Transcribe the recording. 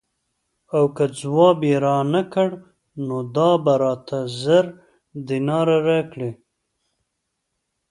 او که ځواب یې رانه کړ نو دا به راته زر دیناره راکړي.